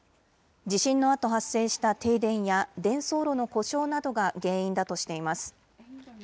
地震のあと発生した停電や伝送路の故障などが原因だとしています。